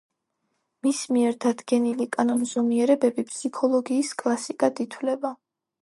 მის მიერ დადგენილი კანონზომიერებები ფსიქოლოგიის კლასიკად ითვლება.